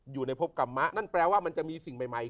อยู่ในพบกรรมะนั่นแปลว่ามันจะมีสิ่งใหม่